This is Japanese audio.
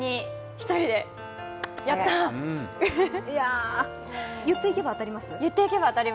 １人で、やったー！言っていけば当たります？